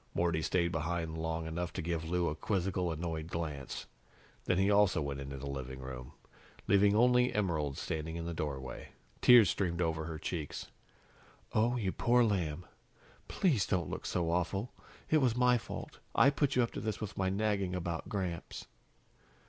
Morty stayed behind long enough to give Lou a quizzical, annoyed glance. Then he also went into the living room, leaving only Emerald standing in the doorway. Tears streamed over her cheeks. "Oh, you poor lamb please don't look so awful! It was my fault. I put you up to this with my nagging about Gramps."